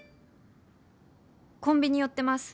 「コンビニ寄ってます。